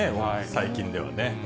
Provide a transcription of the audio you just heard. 最近ではね。